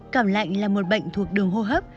cảm lạnh là một bệnh thuộc đường hô hấp